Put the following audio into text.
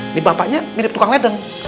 ini bapaknya mirip tukang ledeng